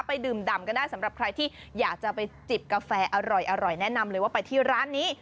ไปดื่มดำกันได้สำหรับใครที่อยากจะไปจิบกาแฟอร่อยแนะนำเลยว่าไปที่ร้านนี้